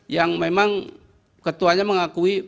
yang memang ketuanya mengakui